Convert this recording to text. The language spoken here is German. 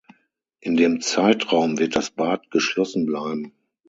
In dem Zeitraum wird das Bad geschlossen bleiben.